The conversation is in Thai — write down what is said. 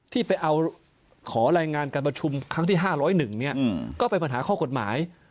ที่ไปขอแรงงานการประชุมครั้งที่๕๐๑ก็ไปปัญหาข้อกฏหมาย